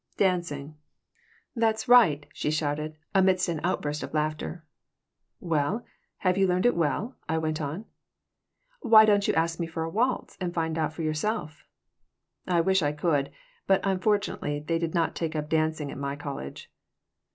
"Dancing." "That's right," she shouted, amidst an outburst of laughter "Well, have you learned it well?" I went on "Why don't you ask me for a waltz and find out for yourself?" "I wish I could, but unfortunately they did not take up dancing at my college."